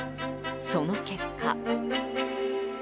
その結果。